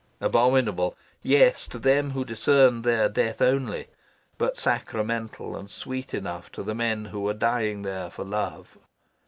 Abominable, yes, to them who discerned there death only; but sacramental and sweet enough to the men who were dying there for love.